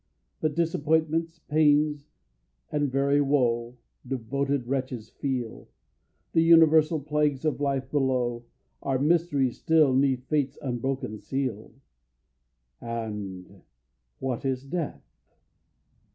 But disappointments, pains, and every woe Devoted wretches feel, The universal plagues of life below, Are mysteries still 'neath Fate's unbroken seal. And what is Death?